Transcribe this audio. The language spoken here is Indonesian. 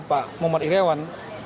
pak muhammad iryawan